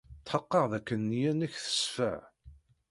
Tḥeqqeɣ dakken nneyya-nnek teṣfa.